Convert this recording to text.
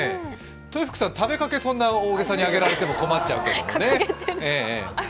豊福さん、食べかけ、そんな大げさに上げられても困っちゃう。